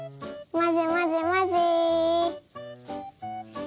まぜまぜまぜ。